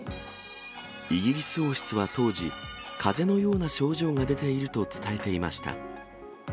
イギリス王室は当時、かぜのような症状が出ていると伝えていました。